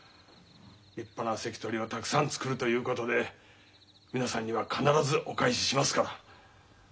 立派な関取をたくさん作るということで皆さんには必ずお返ししますから。